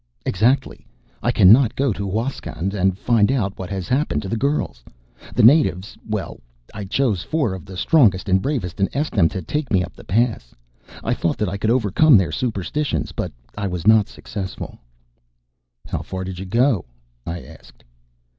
"Exactly. I cannot go to Huascan and find out what has happened to the girls. The natives well, I chose four of the strongest and bravest and asked them to take me up the Pass. I thought that I could overcome their superstitions. But I was not successful." "How far did you go?" I asked.